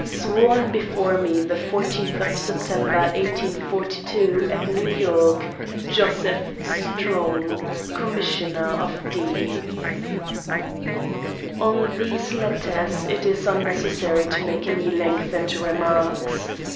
"* "Sworn before me the 14th September, 1842, at New York, Joseph Strong, Commissioner of Deeds." On these letters it is unnecessary to make any length ened remarks.